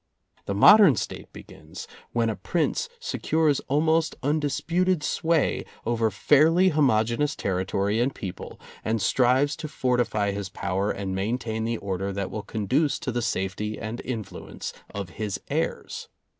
The modern State begins when a prince secures almost undisputed sway over fairly homogeneous territory and people and strives to [ 194] fortify his power and maintain the order that will conduce to the safety and influence of his heirs.